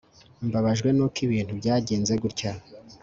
mbabajwe nuko ibintu byagenze gutya